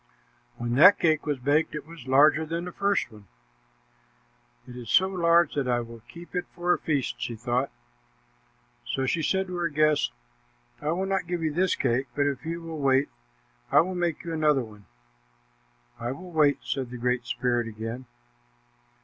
When that cake was baked, it was larger than the first one. "It is so large that I will keep it for a feast," she thought. So she said to her guest, "I will not give you this cake, but if you will wait, I will make you another one." "I will wait," said the Great Spirit again.